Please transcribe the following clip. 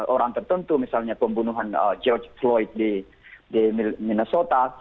orang tertentu misalnya pembunuhan george floyd di minasota